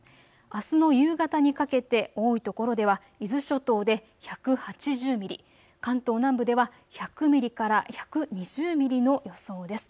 あすの夕方にかけて多いところでは伊豆諸島で１８０ミリ、関東南部では１００ミリから１２０ミリの予想です。